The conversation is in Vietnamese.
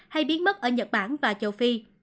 hay biến mất ở nhật bản và châu phi